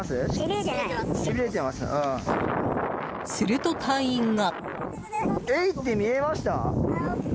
すると隊員が。